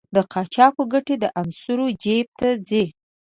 د قاچاقو ګټې د عناصرو جېب ته ځي.